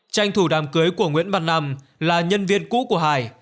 tranh thủ đàm cưới của nguyễn văn nam là nhân viên cũ của hải